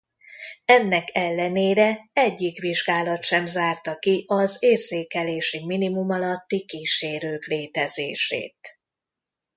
Ennek ellenére egyik vizsgálat sem zárta ki az érzékelési minimum alatti kísérők létezését.